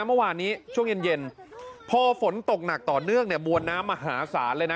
เมื่อวานนี้ช่วงเย็นเย็นพอฝนตกหนักต่อเนื่องเนี่ยมวลน้ำมหาศาลเลยนะ